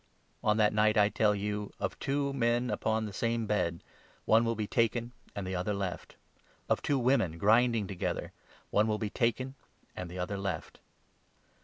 On that night, I tell you, of two men upon 34 the same bed, one will be taken and the other left ; of two women 35 grinding together, one will be taken and the other left."